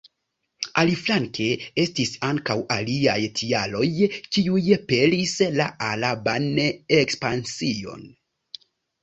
Aliflanke, estis ankaŭ aliaj tialoj kiuj pelis la araban ekspansion.